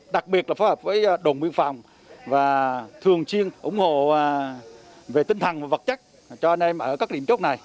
đặc biệt là phối hợp với đồng biên phòng và thường chiên ủng hộ về tinh thần và vật chất cho anh em ở các định chốt này